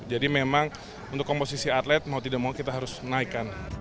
jadi memang untuk komposisi atlet mau tidak mau kita harus menaikkan